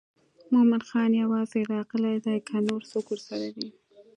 مومن خان یوازې راغلی دی که نور څوک ورسره دي.